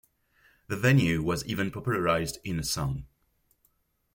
The venue was even popularised in a song.